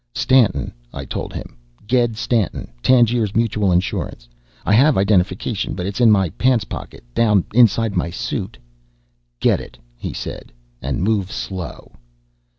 "Stanton," I told him. "Ged Stanton, Tangiers Mutual Insurance. I have identification, but it's in my pants pocket, down inside this suit." "Get it," he said. "And move slow."